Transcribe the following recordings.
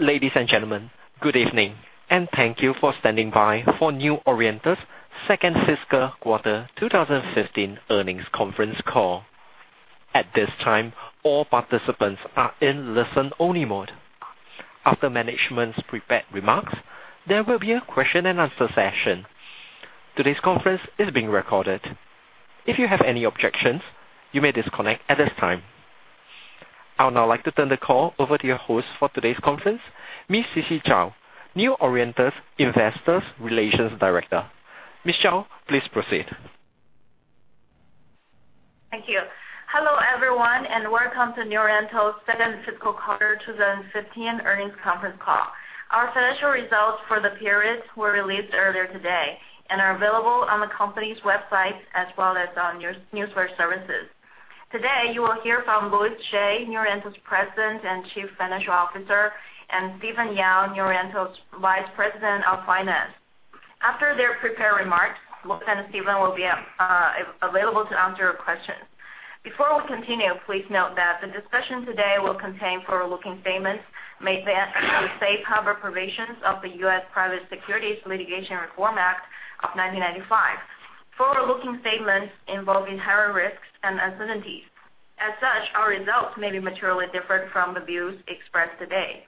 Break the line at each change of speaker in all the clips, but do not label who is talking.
Ladies and gentlemen, good evening, and thank you for standing by for New Oriental's second fiscal quarter 2015 earnings conference call. At this time, all participants are in listen-only mode. After management's prepared remarks, there will be a question and answer session. Today's conference is being recorded. If you have any objections, you may disconnect at this time. I would now like to turn the call over to your host for today's conference, Ms. Sisi Zhao, New Oriental's Investor Relations Director. Ms. Zhao, please proceed.
Thank you. Hello, everyone, and welcome to New Oriental's second fiscal quarter 2015 earnings conference call. Our financial results for the period were released earlier today and are available on the company's website as well as on your newsletter services. Today, you will hear from Louis Hsieh, New Oriental's President and Chief Financial Officer, and Stephen Yang, New Oriental's Vice President of Finance. After their prepared remarks, both Stephen will be available to answer your questions. Before we continue, please note that the discussion today will contain forward-looking statements made under the safe harbor provisions of the U.S. Private Securities Litigation Reform Act of 1995. Forward-looking statements involve inherent risks and uncertainties. As such, our results may be materially different from the views expressed today.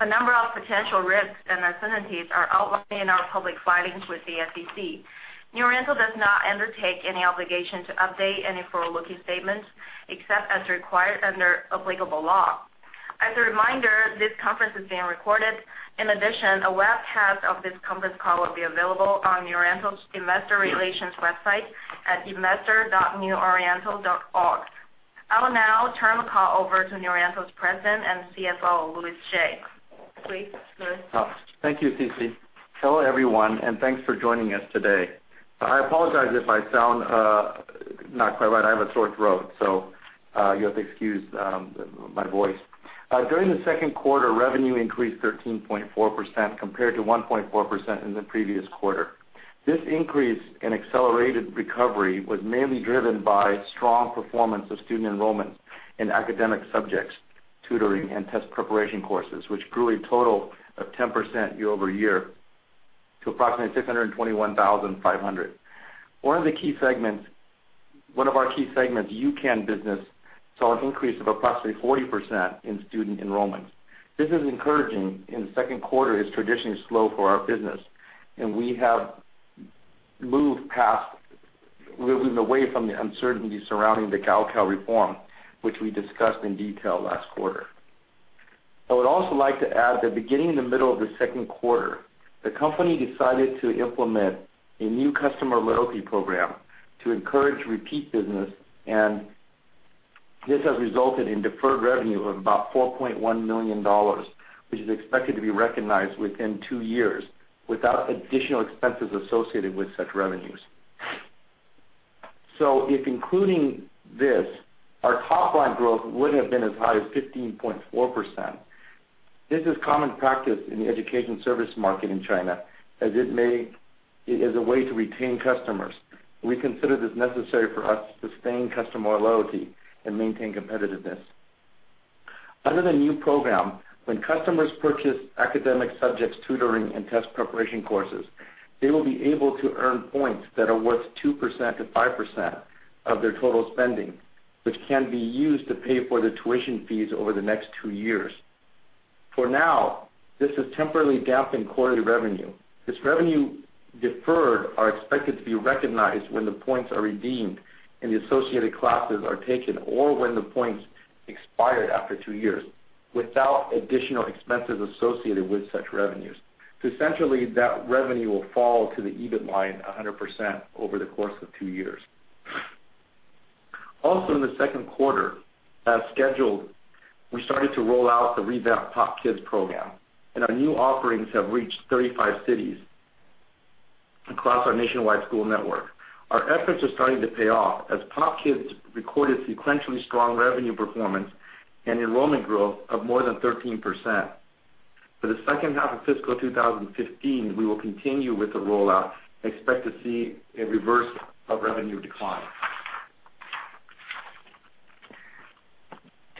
A number of potential risks and uncertainties are outlined in our public filings with the SEC. New Oriental does not undertake any obligation to update any forward-looking statements except as required under applicable law. As a reminder, this conference is being recorded. In addition, a webcast of this conference call will be available on New Oriental's investor relations website at investor.neworiental.org. I will now turn the call over to New Oriental's President and CFO, Louis Hsieh. Please, Louis.
Thank you, Sisi. Hello, everyone, and thanks for joining us today. I apologize if I sound not quite right. I have a sore throat, so you have to excuse my voice. During the second quarter, revenue increased 13.4% compared to 1.4% in the previous quarter. This increase in accelerated recovery was mainly driven by strong performance of student enrollments in academic subjects, tutoring, and test preparation courses, which grew a total of 10% year-over-year to approximately 621,500. One of our key segments, U-Can business, saw an increase of approximately 40% in student enrollments. The second quarter is traditionally slow for our business. We have moved away from the uncertainty surrounding the Gaokao reform, which we discussed in detail last quarter. I would also like to add that beginning in the middle of the second quarter, the company decided to implement a new customer loyalty program to encourage repeat business. This has resulted in deferred revenue of about RMB 4.1 million, which is expected to be recognized within two years without additional expenses associated with such revenues. If including this, our top-line growth wouldn't have been as high as 15.4%. This is common practice in the education service market in China, as it is a way to retain customers. We consider this necessary for us to sustain customer loyalty and maintain competitiveness. Under the new program, when customers purchase academic subjects tutoring and test preparation courses, they will be able to earn points that are worth 2%-5% of their total spending, which can be used to pay for the tuition fees over the next two years. For now, this is temporarily damping quarterly revenue. This revenue deferred are expected to be recognized when the points are redeemed and the associated classes are taken, or when the points expire after two years without additional expenses associated with such revenues. Essentially, that revenue will fall to the EBIT line 100% over the course of two years. Also in the second quarter, as scheduled, we started to roll out the revamped POP Kids program, and our new offerings have reached 35 cities across our nationwide school network. Our efforts are starting to pay off as POP Kids recorded sequentially strong revenue performance and enrollment growth of more than 133%. For the second half of fiscal 2015, we will continue with the rollout and expect to see a reverse of revenue decline.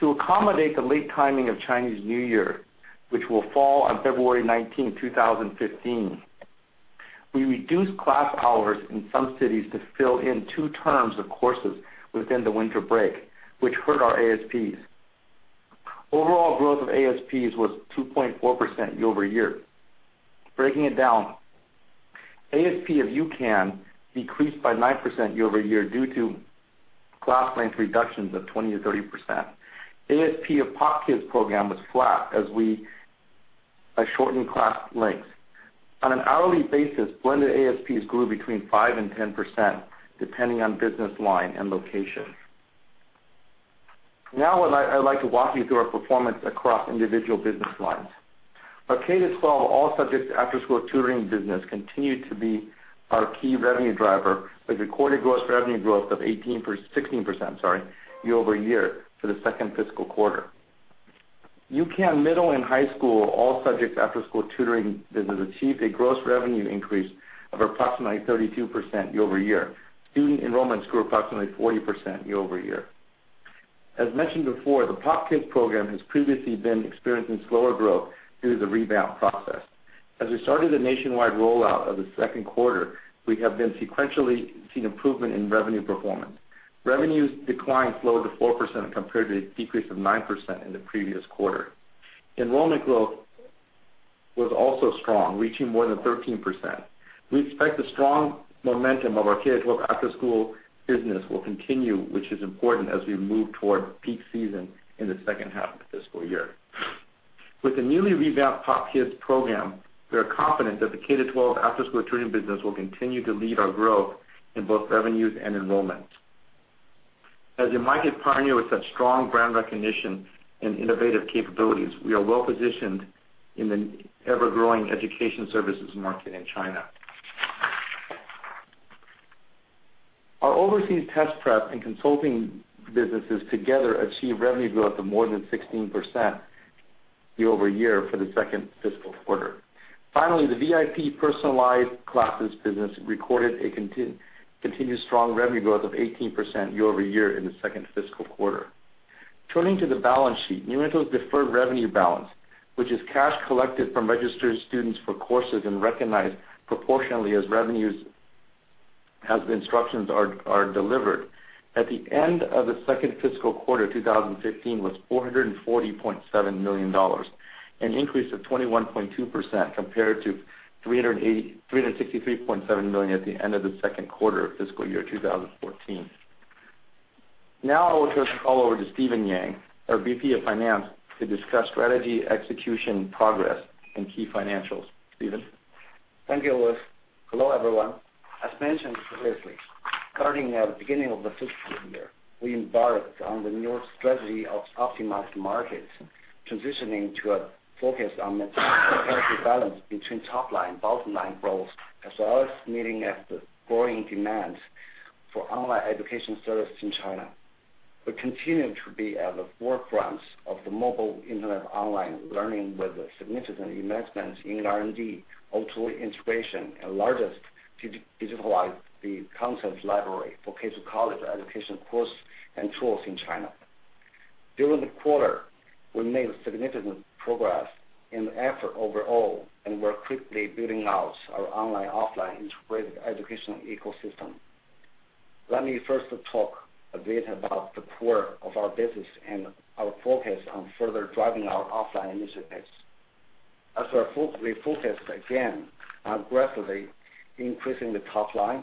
To accommodate the late timing of Chinese New Year, which will fall on February 19, 2015, we reduced class hours in some cities to fill in two terms of courses within the winter break, which hurt our ASPs. Overall growth of ASPs was 2.4% year-over-year. Breaking it down, ASP of U-Can decreased by 9% year-over-year due to class length reductions of 20%-30%. ASP of POP Kids program was flat as we shortened class lengths. On an hourly basis, blended ASPs grew between 5% and 10%, depending on business line and location. Now, I'd like to walk you through our performance across individual business lines. Our K-12 all subjects after-school tutoring business continued to be our key revenue driver with recorded gross revenue growth of 16% year-over-year for the second fiscal quarter. U-Can middle and high school all subjects after-school tutoring business achieved a gross revenue increase of approximately 32% year-over-year. Student enrollments grew approximately 40% year-over-year. As mentioned before, the POP Kids program has previously been experiencing slower growth due to the rebound process. As we started the nationwide rollout of the second quarter, we have been sequentially seeing improvement in revenue performance. Revenues declined slow to 4% compared to a decrease of 9% in the previous quarter. Enrollment growth was also strong, reaching more than 13%. We expect the strong momentum of our K-12 after-school business will continue, which is important as we move toward peak season in the second half of the fiscal year. With the newly revamped POP Kids program, we are confident that the K-12 after-school tutoring business will continue to lead our growth in both revenues and enrollments. As a market pioneer with such strong brand recognition and innovative capabilities, we are well-positioned in the ever-growing education services market in China. Our overseas test prep and consulting businesses together achieved revenue growth of more than 16% year-over-year for the second fiscal quarter. Finally, the VIP personalized classes business recorded a continued strong revenue growth of 18% year-over-year in the second fiscal quarter. Turning to the balance sheet, New Oriental's deferred revenue balance, which is cash collected from registered students for courses and recognized proportionally as revenues as the instructions are delivered. At the end of the second fiscal quarter 2015 was RMB 440.7 million, an increase of 21.2% compared to 363.7 million at the end of the second quarter of fiscal year 2014. I will turn the call over to Stephen Yang, our VP of Finance, to discuss strategy, execution, progress, and key financials. Stephen?
Thank you, Louis. Hello, everyone. As mentioned previously, starting at the beginning of the fiscal year, we embarked on the new strategy of optimized markets, transitioning to a focus on maintaining a healthy balance between top-line and bottom-line growth, as well as meeting the growing demand for online education services in China. We continue to be at the forefront of the mobile internet online learning with significant investments in R&D, O2O integration, and largest digitalized the concept library for K to college education course and tools in China. During the quarter, we made significant progress in the effort overall and we're quickly building out our online-offline integrated educational ecosystem. Let me first talk a bit about the core of our business and our focus on further driving our offline initiatives. As we focused again on aggressively increasing the top-line,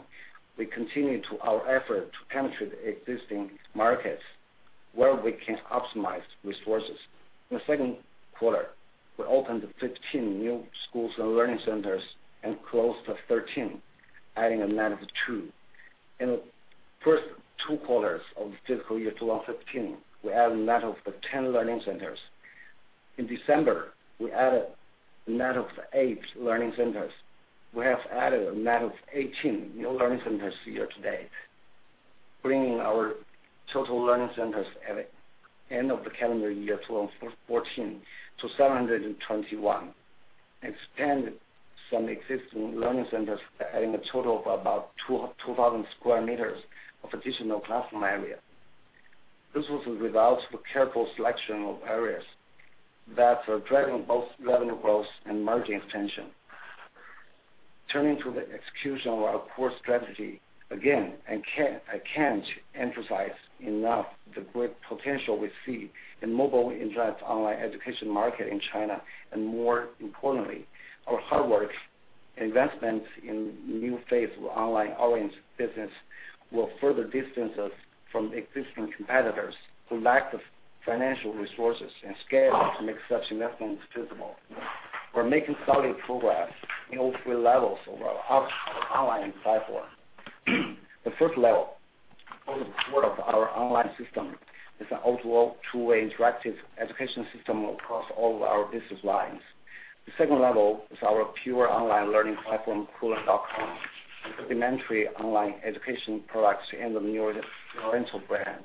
we continue our effort to penetrate existing markets where we can optimize resources. In the second quarter, we opened 15 new schools and learning centers and closed 13, adding a net of two. In the first two quarters of fiscal year 2015, we added a net of 10 learning centers. In December, we added a net of eight learning centers. We have added a net of 18 new learning centers year-to-date, bringing our total learning centers at the end of the calendar year 2014 to 721, expanded some existing learning centers, adding a total of about 2,000 sq m of additional classroom area. This was a result of careful selection of areas that are driving both revenue growth and margin expansion. Turning to the execution of our core strategy, again, I can't emphasize enough the great potential we see in mobile internet online education market in China. More importantly, our hard work investment in new phase online-oriented business will further distance us from existing competitors who lack the financial resources and scale to make such investments feasible. We're making solid progress in all 3 levels of our online platform. The first level of our online system is an O2O two-way interactive education system across all our business lines. The second level is our pure online learning platform, Koolearn.com, and complementary online education products in the New Oriental brand.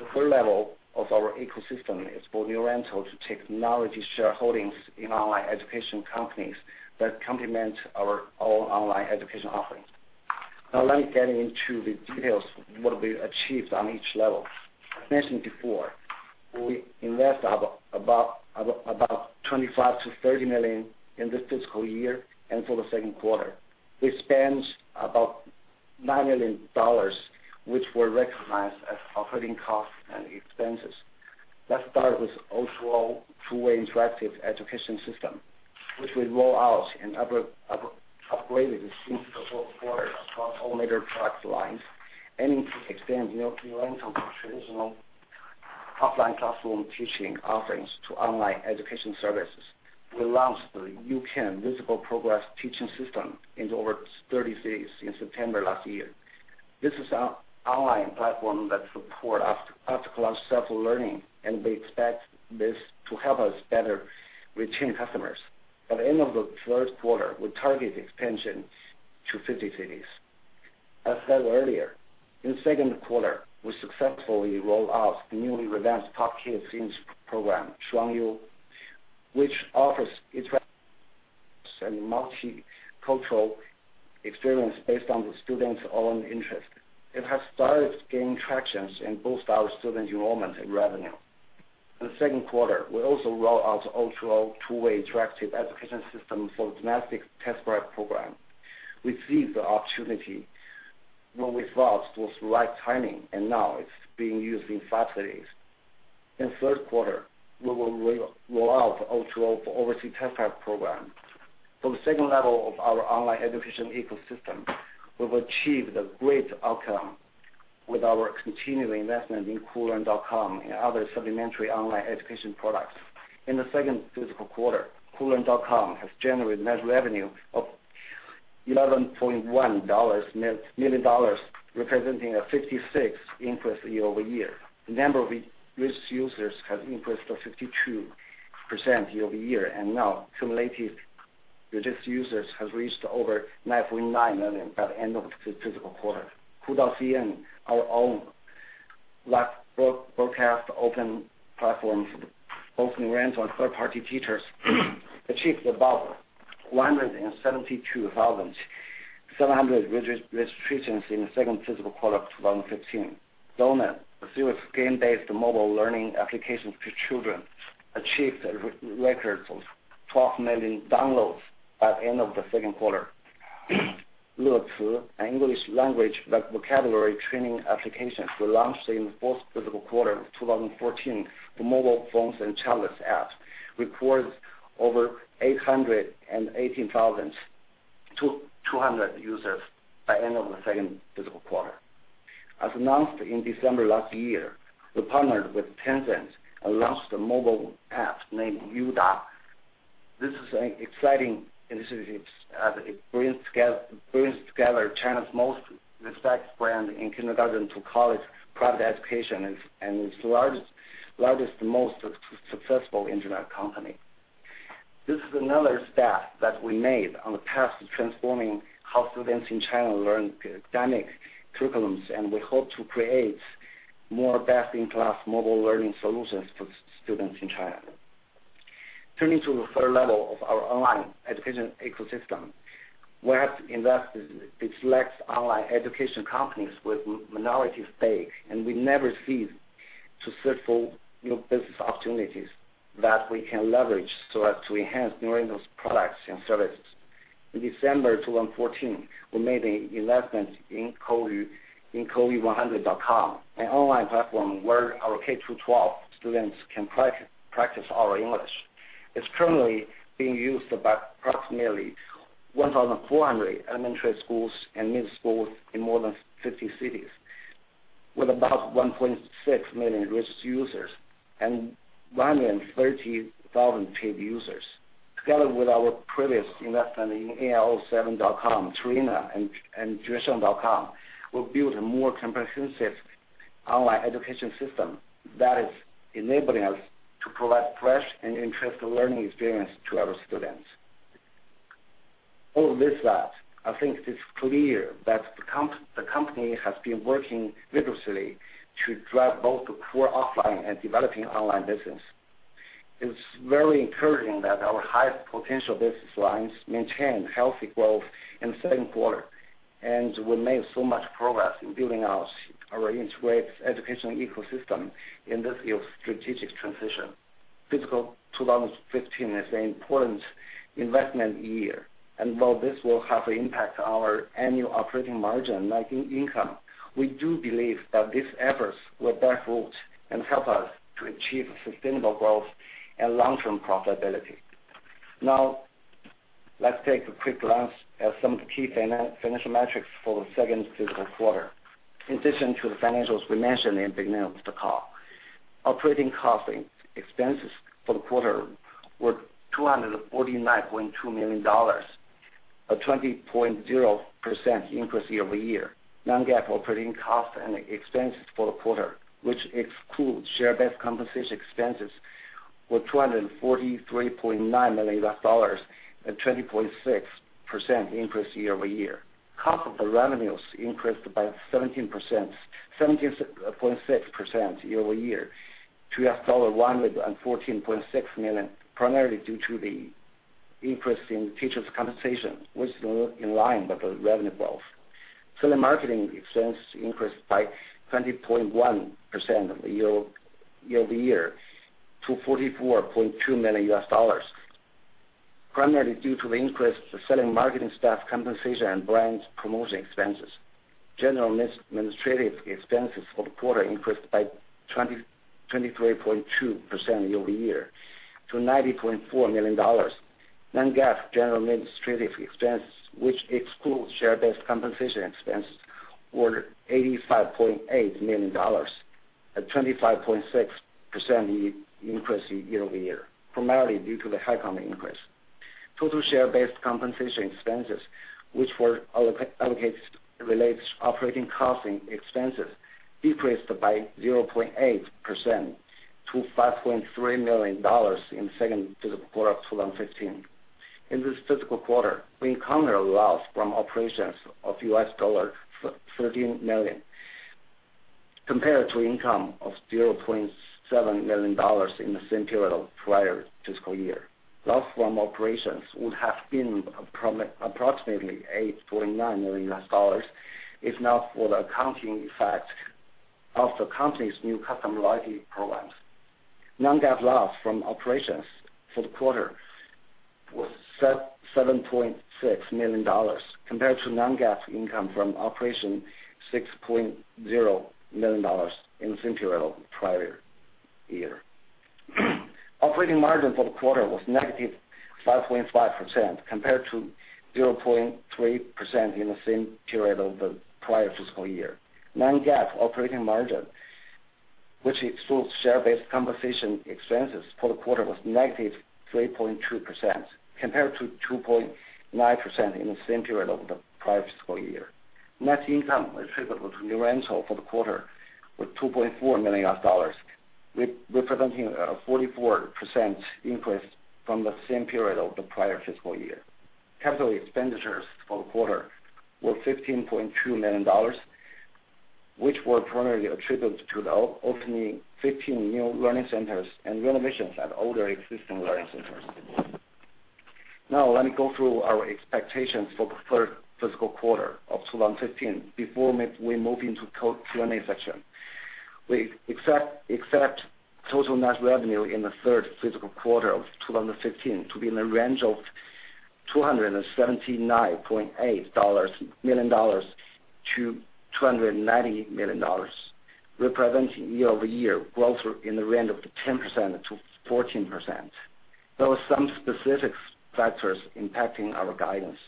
The third level of our ecosystem is for New Oriental to take minority shareholdings in online education companies that complement our own online education offerings. Let me get into the details, what we achieved on each level. As mentioned before, we invest about 25 million to 30 million in this fiscal year and for the second quarter. We spent about RMB 9 million, which were recognized as operating costs and expenses. Let's start with O2O two-way interactive education system, which we rolled out and upgraded since the fourth quarter across all major product lines, and extend New Oriental traditional offline classroom teaching offerings to online education services. We launched the YouCan Visible Progress Teaching System in over 30 cities in September 2014. This is our online platform that support after-class self-learning, and we expect this to help us better retain customers. By the end of the first quarter, we target expansion to 50 cities. As said earlier, in the second quarter, we successfully rolled out the newly revamped POP Kids English program, Shuangyu, which offers interactive and multicultural experience based on the students' own interest. It has started to gain traction and boost our student enrollment and revenue. In the second quarter, we also rolled out O2O two-way interactive education system for domestic test-prep program. We seized the opportunity when we thought it was the right timing, and now it's being used in 5 cities. In the third quarter, we will roll out O2O for overseas test-prep program. For the second level of our online education ecosystem, we've achieved a great outcome with our continuing investment in Koolearn.com and other supplementary online education products. In the second fiscal quarter, Koolearn.com has generated net revenue of RMB 11.1 million, representing a 56% increase year-over-year. The number of registered users has increased to 52% year-over-year, and now cumulative registered users has reached over 9.9 million by the end of the fiscal quarter. Hudao CN, our own live broadcast open platform, opening rents on third-party teachers, achieved about 172,700 registrations in the second fiscal quarter of 2015. Dona, a game-based mobile learning application to children, achieved a record of 12 million downloads by end of the second quarter. LeCi, an English language vocabulary training application we launched in the fourth fiscal quarter of 2014 for mobile phones and tablets app, records over 818,200 users by end of the second fiscal quarter. As announced in December 2014, we partnered with Tencent and launched a mobile app named uDA. This is an exciting initiative as it brings together China's most respected brand in kindergarten to college private education, and its largest, most successful internet company. This is another step that we made on the path to transforming how students in China learn academic curriculums, and we hope to create more best-in-class mobile learning solutions for students in China. Turning to the third level of our online education ecosystem, we have invested in select online education companies with minority stake, and we never cease to search for new business opportunities that we can leverage so as to enhance New Oriental's products and services. In December 2014, we made an investment in Koyee100.com, an online platform where our K-12 students can practice our English. It's currently being used by approximately 1,400 elementary schools and middle schools in more than 50 cities, with about 1.6 million registered users and 130,000 paid users. Together with our previous investment in ALO7.com, Tarena and JuE Shen.com, we'll build a more comprehensive online education system that is enabling us to provide fresh and interesting learning experience to our students. All this said, I think it is clear that the company has been working vigorously to drive both the core offline and developing online business. It's very encouraging that our high potential business lines maintain healthy growth in the second quarter, and we made so much progress in building our integrated education ecosystem in this year of strategic transition. Fiscal 2015 is an important investment year, and while this will have an impact on our annual operating margin like income, we do believe that these efforts will bear fruit and help us to achieve sustainable growth and long-term profitability. Now, let's take a quick glance at some of the key financial metrics for the second fiscal quarter. In addition to the financials we mentioned at the beginning of the call. Operating costs and expenses for the quarter were $249.2 million, a 20.0% increase year-over-year. Non-GAAP operating costs and expenses for the quarter, which excludes share-based compensation expenses, were $243.9 million, a 20.6% increase year-over-year. Cost of revenues increased by 17.6% year-over-year to $114.6 million, primarily due to the increase in teachers' compensation, which is in line with the revenue growth. Selling and marketing expense increased by 20.1% year-over-year to $44.2 million, primarily due to the increase of selling and marketing staff compensation and brands promotion expenses. General and administrative expenses for the quarter increased by 23.2% year-over-year to $90.4 million. Non-GAAP general and administrative expenses, which excludes share-based compensation expenses, were $85.8 million, a 25.6% increase year-over-year, primarily due to the high income increase. Total share-based compensation expenses, which were allocated related to operating costs and expenses, decreased by 0.8% to $5.3 million in the second fiscal quarter of 2015. In this fiscal quarter, we encountered a loss from operations of US $13 million compared to income of $0.7 million in the same period of the prior fiscal year. Loss from operations would have been approximately $8.9 million if not for the accounting effect of the company's new customer loyalty programs. Non-GAAP loss from operations for the quarter was $7.6 million, compared to non-GAAP income from operations $6.0 million in the same period of the prior year. Operating margin for the quarter was negative 5.5% compared to 0.3% in the same period of the prior fiscal year. Non-GAAP operating margin, which excludes share-based compensation expenses for the quarter, was negative 3.2%, compared to 2.9% in the same period of the prior fiscal year. Net income attributable to New Oriental for the quarter was $2.4 million, representing a 44% increase from the same period of the prior fiscal year. Capital expenditures for the quarter were $15.2 million, which were primarily attributed to the opening 15 new learning centers and renovations at older existing learning centers. Now let me go through our expectations for the third fiscal quarter of 2015 before we move into Q&A session. We expect total net revenue in the third fiscal quarter of 2015 to be in the range of $279.8 million-$290 million, representing year-over-year growth in the range of 10%-14%. There were some specific factors impacting our guidance.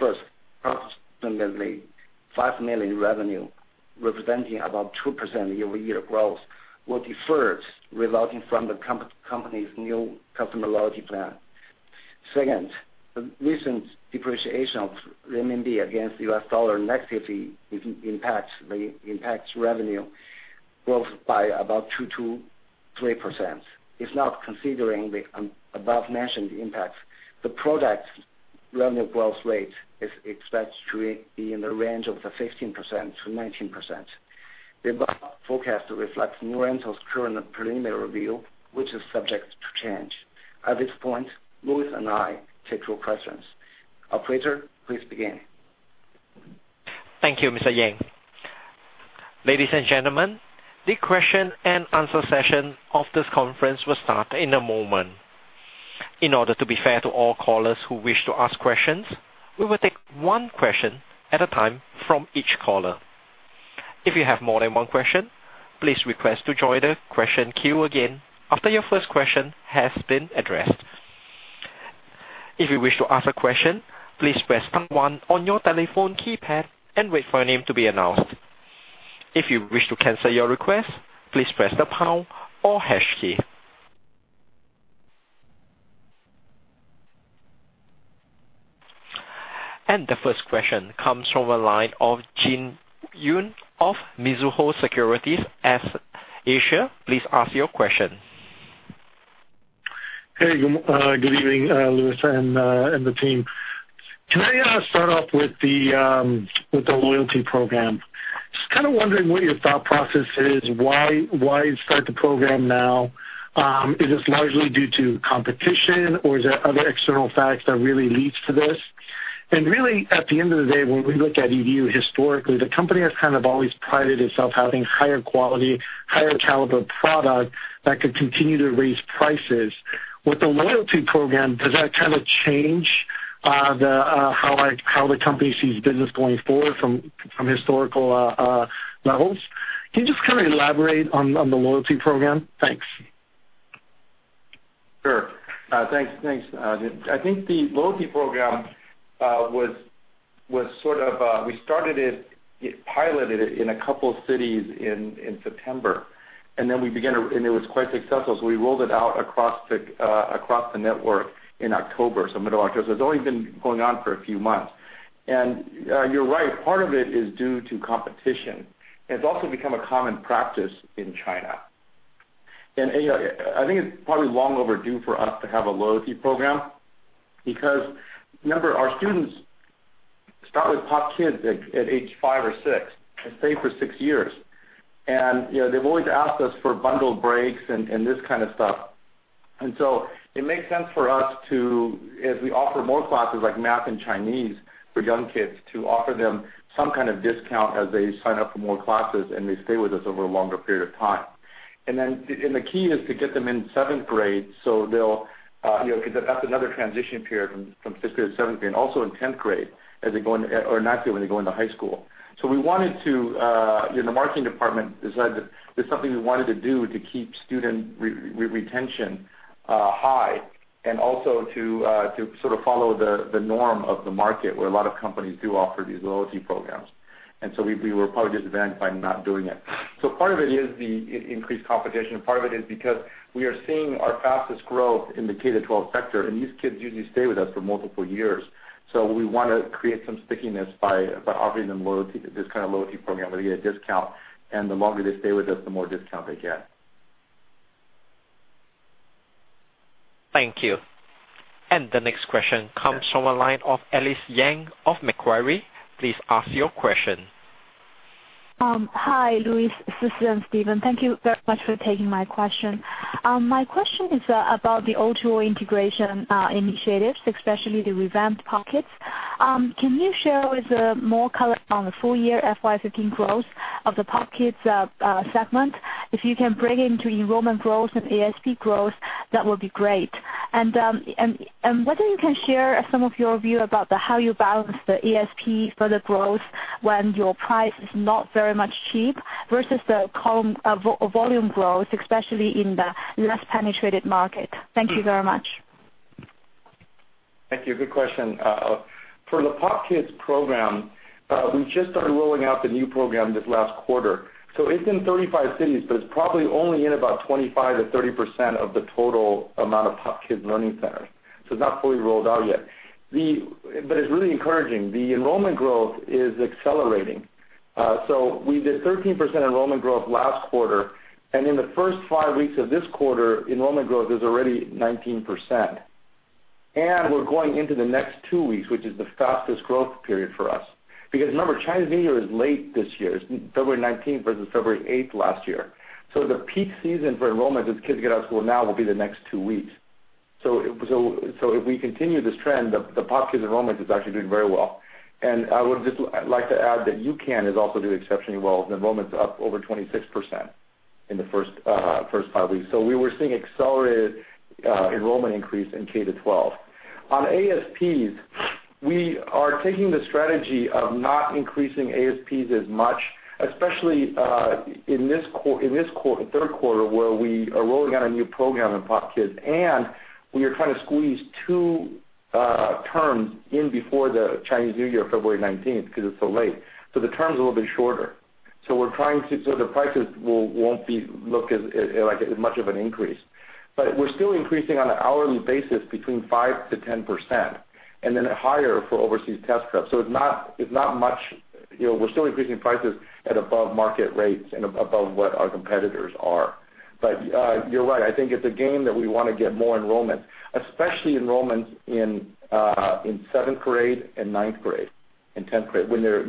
First, approximately $5 million revenue, representing about 2% year-over-year growth, was deferred resulting from the company's new customer loyalty plan. Second, the recent depreciation of the RMB against the US dollar negatively impacts revenue growth by about 2%-3%. If not considering the above-mentioned impacts, the product revenue growth rate is expected to be in the range of 15%-19%. The above forecast reflects New Oriental's current preliminary view, which is subject to change. At this point, Louis and I will take your questions. Operator, please begin.
Thank you, Mr. Yang. Ladies and gentlemen, the question and answer session of this conference will start in a moment. In order to be fair to all callers who wish to ask questions, we will take one question at a time from each caller. If you have more than one question, please request to join the question queue again after your first question has been addressed. If you wish to ask a question, please press pound one on your telephone keypad and wait for your name to be announced. If you wish to cancel your request, please press the pound or hash key. The first question comes from the line of Jin Yoon of Mizuho Securities Asia. Please ask your question.
Hey, good evening, Louis and the team. Can I start off with the loyalty program? Just kind of wondering what your thought process is. Why start the program now? Is this largely due to competition, or is there other external factors that really leads to this? Really, at the end of the day, when we look at EDU historically, the company has kind of always prided itself having higher quality, higher caliber product that could continue to raise prices. With the loyalty program, does that kind of change how the company sees business going forward from historical levels? Can you just kind of elaborate on the loyalty program? Thanks.
Sure. Thanks. I think the loyalty program, we started it, piloted it in a couple cities in September, it was quite successful. We rolled it out across the network in October, middle of October. It's only been going on for a few months. You're right, part of it is due to competition, it's also become a common practice in China. I think it's probably long overdue for us to have a loyalty program because remember, our students start with POP Kids at age five or six and stay for six years. They've always asked us for bundled breaks and this kind of stuff. It makes sense for us to, as we offer more classes like math and Chinese for young kids, to offer them some kind of discount as they sign up for more classes and they stay with us over a longer period of time. The key is to get them in 7th grade, because that's another transition period from 5th grade to 7th grade, and also in 10th grade or 9th grade when they go into high school. The marketing department decided that it's something we wanted to do to keep student retention high and also to sort of follow the norm of the market where a lot of companies do offer these loyalty programs. We were probably disadvantaged by not doing it. Part of it is the increased competition. Part of it is because we are seeing our fastest growth in the K-12 sector, and these kids usually stay with us for multiple years. We want to create some stickiness by offering them this kind of loyalty program where they get a discount, and the longer they stay with us, the more discount they get.
Thank you. The next question comes from the line of Ellis Yang of Macquarie. Please ask your question.
Hi, Louis, Sisi, and Stephen. Thank you very much for taking my question. My question is about the O2O integration initiatives, especially the revamped POP Kids. Can you share with us more color on the full-year FY 2015 growth of the POP Kids segment? If you can break into enrollment growth and ASP growth, that would be great. Whether you can share some of your view about how you balance the ASP further growth when your price is not very much cheap versus the volume growth, especially in the less penetrated market. Thank you very much.
Thank you. Good question. For the POP Kids program, we just started rolling out the new program this last quarter. It's in 35 cities, but it's probably only in about 25%-30% of the total amount of POP Kids Learning Centers. It's not fully rolled out yet. It's really encouraging. The enrollment growth is accelerating. We did 13% enrollment growth last quarter, and in the first five weeks of this quarter, enrollment growth is already 19%. We're going into the next two weeks, which is the fastest growth period for us. Remember, Chinese New Year is late this year. It's February 19th versus February 8th last year. The peak season for enrollment, as kids get out of school now, will be the next two weeks. If we continue this trend, the POP Kids enrollment is actually doing very well. I would just like to add that U-Can is also doing exceptionally well. The enrollment's up over 26% in the first five weeks. We were seeing accelerated enrollment increase in K-12. On ASPs, we are taking the strategy of not increasing ASPs as much, especially in this third quarter, where we are rolling out a new program in POP Kids, and we are trying to squeeze two terms in before the Chinese New Year, February 19th, because it's so late. The term is a little bit shorter. The prices won't look like as much of an increase. We're still increasing on an hourly basis between 5%-10%, and then higher for overseas Test Prep. We're still increasing prices at above market rates and above what our competitors are. You're right. I think it's a game that we want to get more enrollments, especially enrollments in seventh grade and ninth grade and 10th grade, when they're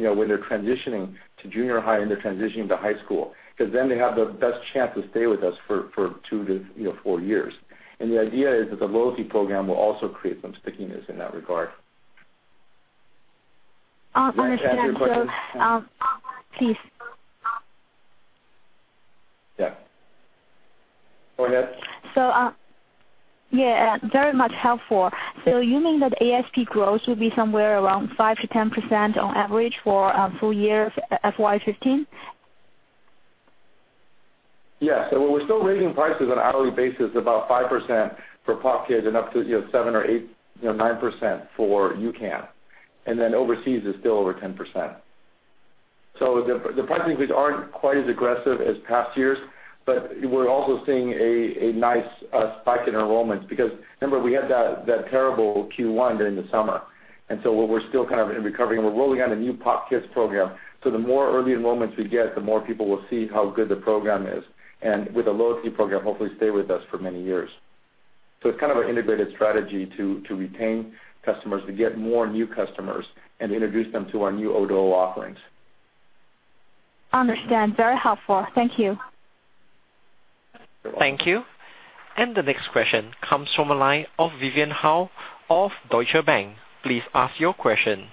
transitioning to junior high and they're transitioning to high school, because then they have the best chance to stay with us for two to four years. The idea is that the loyalty program will also create some stickiness in that regard.
Understand.
Does that answer your question?
Please.
Yeah. Go ahead.
Yeah, very much helpful. You mean that ASP growth will be somewhere around 5%-10% on average for full year FY 2015?
Yes. We're still raising prices on an hourly basis about 5% for POP Kids and up to 7% or 8%, 9% for U-Can, overseas is still over 10%. The price increases aren't quite as aggressive as past years, but we're also seeing a nice spike in enrollments because remember, we had that terrible Q1 during the summer. We're still kind of in recovery, and we're rolling out a new POP Kids program. The more early enrollments we get, the more people will see how good the program is. With a loyalty program, hopefully stay with us for many years. It's kind of an integrated strategy to retain customers, to get more new customers, and introduce them to our new O2O offerings.
Understand. Very helpful. Thank you.
You're welcome.
Thank you. The next question comes from the line of Vivian Hao of Deutsche Bank. Please ask your question.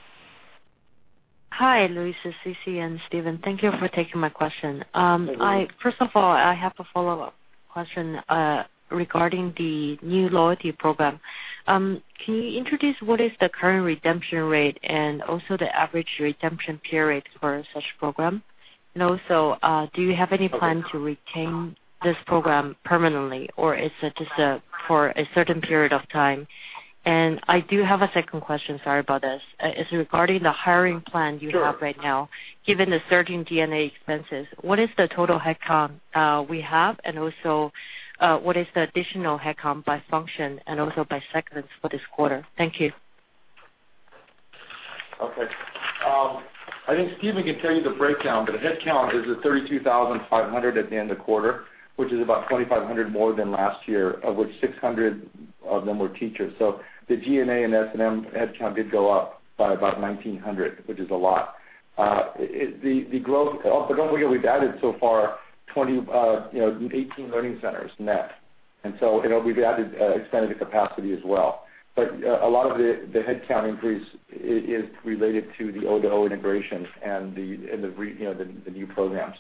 Hi, Louis, Sisi, and Stephen. Thank you for taking my question.
Hello.
First of all, I have a follow-up question regarding the new loyalty program. Can you introduce what is the current redemption rate and also the average redemption period for such program? Also, do you have any plan to retain this program permanently, or is it just for a certain period of time? I do have a second question, sorry about this. It's regarding the hiring plan you have right now.
Sure.
Given the surging G&A expenses, what is the total headcount we have, and also what is the additional headcount by function and also by segments for this quarter? Thank you.
Okay. I think Stephen can tell you the breakdown, but the headcount is at 32,500 at the end of quarter, which is about 2,500 more than last year, of which 600 of them were teachers. The G&A and S&M headcount did go up by about 1,900, which is a lot. Don't forget, we've added so far 18 learning centers net. We've expanded the capacity as well. A lot of the headcount increase is related to the O2O integration and the new programs.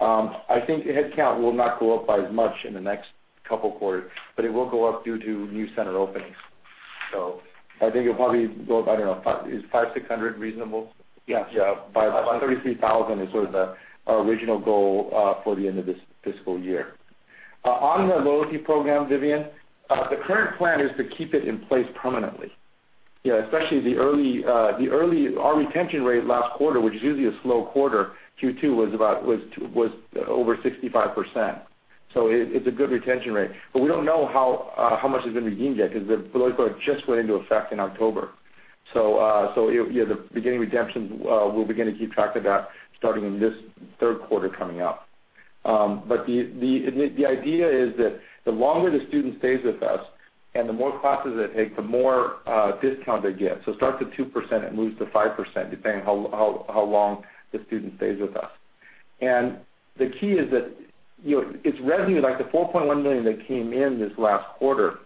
I think headcount will not go up by as much in the next couple quarters, but it will go up due to new center openings. I think it'll probably go up, I don't know, is 500, 600 reasonable?
Yes.
Yeah. 33,000 is sort of our original goal for the end of this fiscal year. On the loyalty program, Vivian, the current plan is to keep it in place permanently. Especially our retention rate last quarter, which is usually a slow quarter, Q2 was over 65%. It's a good retention rate, but we don't know how much has been redeemed yet because the loyalty program just went into effect in October. The beginning redemption, we'll begin to keep track of that starting in this third quarter coming up. The idea is that the longer the student stays with us and the more classes they take, the more discount they get. It starts at 2%, it moves to 5%, depending how long the student stays with us. The key is that its revenue, like the $4.1 million that came in this last quarter,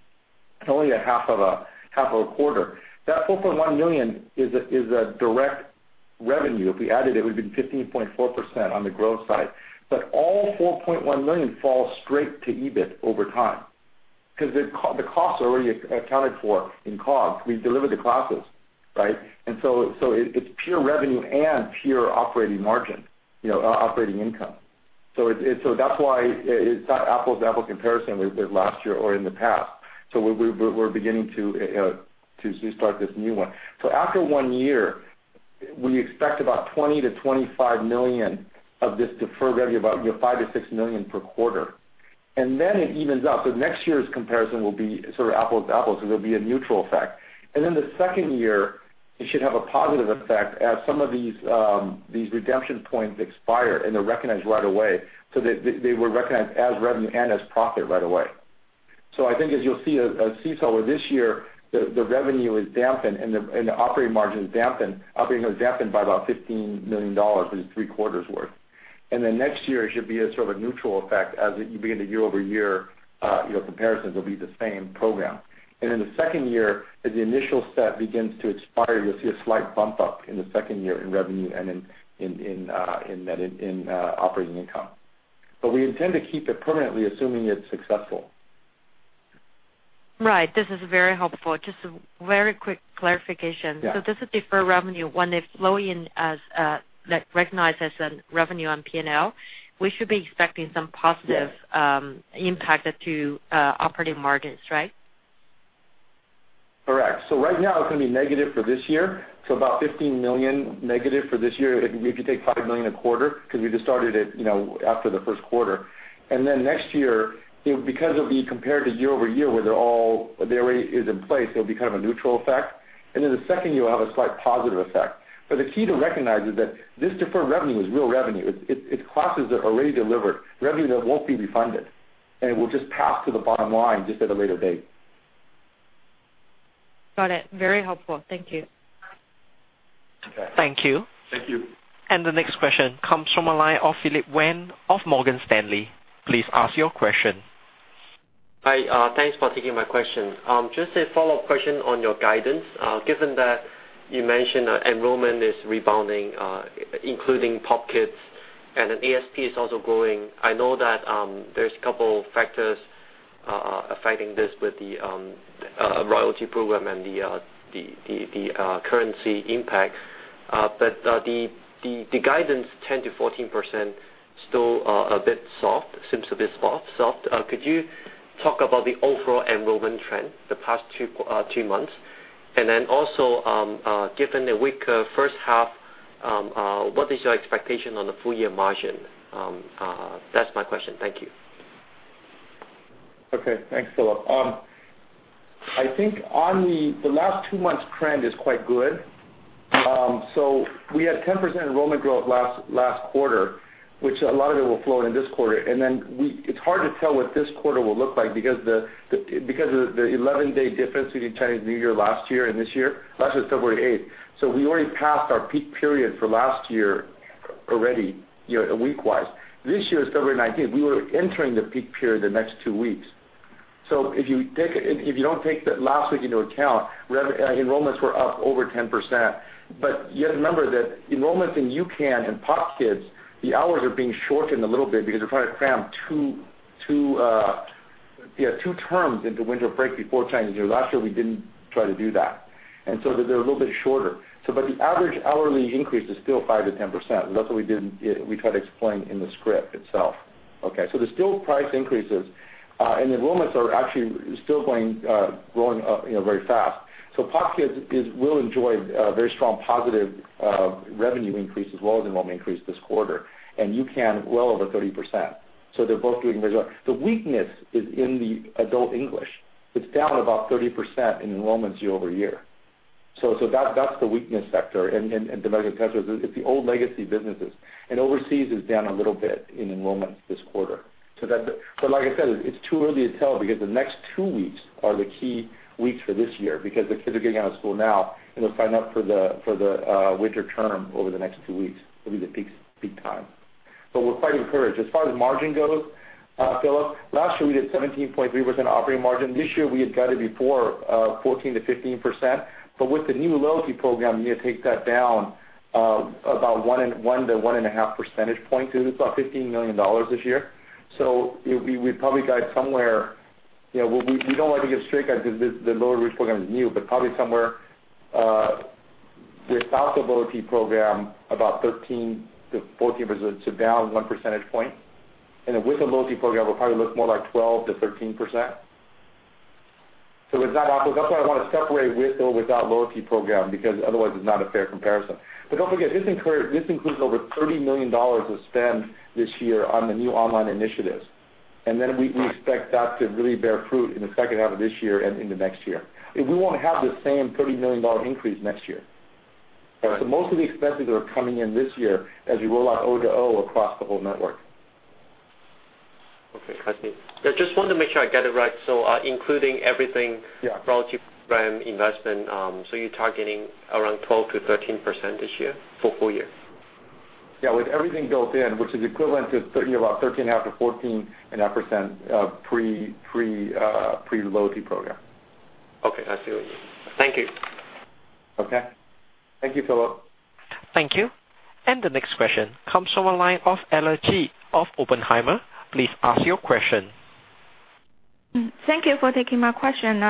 it's only a half of a quarter. That $4.1 million is a direct revenue. If we added it would've been 15.4% on the growth side. All $4.1 million falls straight to EBIT over time, because the costs are already accounted for in COGS. We delivered the classes, right? It's pure revenue and pure operating margin, operating income. That's why it's not apples to apple comparison with last year or in the past. We're beginning to start this new one. After one year, we expect about $20 million to $25 million of this deferred revenue, about $5 million to $6 million per quarter. Then it evens out, next year's comparison will be sort of apples to apples, it'll be a neutral effect. The second year, it should have a positive effect as some of these redemption points expire and they're recognized right away. They were recognized as revenue and as profit right away. I think as you'll see, as Sisi, this year, the revenue is dampened and the operating margin is dampened by about RMB 15 million for the three quarters worth. Next year, it should be a sort of a neutral effect as you begin the year-over-year comparisons will be the same program. In the second year, as the initial set begins to expire, you'll see a slight bump up in the second year in revenue and in net operating income. We intend to keep it permanently, assuming it's successful.
Right. This is very helpful. Just a very quick clarification.
Yeah.
This is deferred revenue. When they flow in as recognized as a revenue on P&L, we should be expecting some.
Yeah
impact to operating margins, right?
Right now, it's going to be negative for this year. About $15 million negative for this year, if you take $5 million a quarter, because we just started it after the first quarter. Next year, because it'll be compared to year-over-year where they're all, the base is in place, it'll be kind of a neutral effect. The second year, we'll have a slight positive effect. The key to recognize is that this deferred revenue is real revenue. It's classes that are already delivered, revenue that won't be refunded, and it will just pass to the bottom line just at a later date.
Got it. Very helpful. Thank you.
Okay.
Thank you.
Thank you.
The next question comes from the line of Philip Wang of Morgan Stanley. Please ask your question.
Hi. Thanks for taking my question. Just a follow-up question on your guidance. Given that you mentioned enrollment is rebounding, including POP Kids, ASP is also growing. I know that there's a couple factors affecting this with the loyalty program and the currency impact. The guidance 10%-14% still a bit soft, seems a bit soft. Could you talk about the overall enrollment trend the past two months? Also, given the weaker first half, what is your expectation on the full-year margin? That's my question. Thank you.
Okay. Thanks, Philip. I think on the last two months trend is quite good. We had 10% enrollment growth last quarter, which a lot of it will flow in this quarter. It's hard to tell what this quarter will look like because of the 11-day difference between Chinese New Year last year and this year. Last year was February 8th. We already passed our peak period for last year already, week-wise. This year is February 19th. We were entering the peak period the next two weeks. If you don't take that last week into account, enrollments were up over 10%. You have to remember that enrollments in U-Can and POP Kids, the hours are being shortened a little bit because we're trying to cram two terms into winter break before Chinese New Year. Last year, we didn't try to do that. They're a little bit shorter. The average hourly increase is still 5%-10%, and that's what we tried to explain in the script itself. Okay. There's still price increases, and enrollments are actually still growing up very fast. POP Kids will enjoy a very strong positive revenue increase as well as enrollment increase this quarter, and U-Can well over 30%. They're both doing very well. The weakness is in the adult English. It's down about 30% in enrollments year-over-year. That's the weakness sector and. [inaudible] It's the old legacy businesses. Overseas is down a little bit in enrollments this quarter. Like I said, it's too early to tell because the next two weeks are the key weeks for this year because the kids are getting out of school now, and they'll sign up for the winter term over the next two weeks. It'll be the peak time. We're quite encouraged. As far as margin goes, Philip, last year we did 17.3% operating margin. This year, we had guided before 14%-15%, but with the new loyalty program, you got to take that down about one to one and a half percentage points. It's about RMB 15 million this year. We'd probably guide somewhere, we don't like to give strict guidance because the loyalty program is new, but probably somewhere without the loyalty program, about 13%-14%, so down one percentage point. With the loyalty program, it will probably look more like 12%-13%. That's why I want to separate with or without loyalty program, because otherwise it's not a fair comparison. Don't forget, this includes over RMB 30 million of spend this year on the new online initiatives. We expect that to really bear fruit in the second half of this year and into next year. We won't have the same RMB 30 million increase next year.
Right.
Most of the expenses are coming in this year as we roll out O2O across the whole network.
Okay, got it. I just want to make sure I get it right. Including everything-
Yeah
loyalty program investment, you're targeting around 12%-13% this year, for full year?
Yeah. With everything built in, which is equivalent to about 13.5%-14.5% pre-loyalty program.
Okay. I see what you mean. Thank you.
Okay. Thank you, Philip.
Thank you. The next question comes from the line of Ella Ji of Oppenheimer. Please ask your question.
Thank you for taking my question.